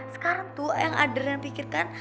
sekarang tuh yang adriana pikirkan